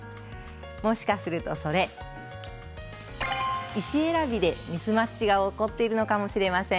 もしかすると、それ医師選びでミスマッチが起こっているのかもしれません。